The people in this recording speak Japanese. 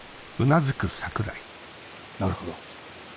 なるほど。